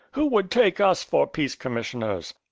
"Who would take us for peace commissioners?"